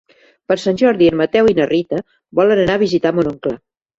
Per Sant Jordi en Mateu i na Rita volen anar a visitar mon oncle.